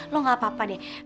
lo gak apa apa deh